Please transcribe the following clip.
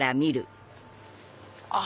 あ！